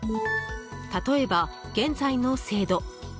例えば、現在の制度。